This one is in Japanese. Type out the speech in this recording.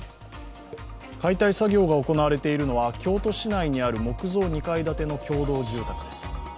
解体作業が行われているのは京都市内にある木造２階建ての共同住宅です。